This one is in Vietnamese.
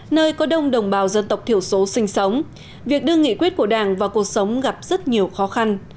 nơi có đông đồng bào dân tộc thiểu số sinh sống việc đưa nghị quyết của đảng vào cuộc sống gặp rất nhiều khó khăn